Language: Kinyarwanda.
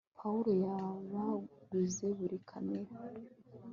pawulo yabaguze buri kamera